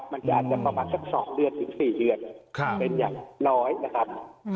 ก็จะประมาณสัก๒๔เรื่องเป็นอย่างร้อยนะครับ